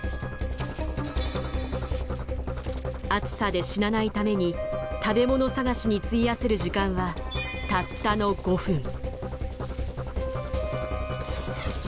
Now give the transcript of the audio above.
暑さで死なないために食べ物探しに費やせる時間はたったの５分。